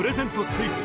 クイズ